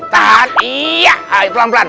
tahan iya pelan pelan